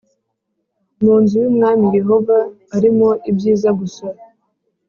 mu nzu y’umwami Yehova arimo ibyiza gusa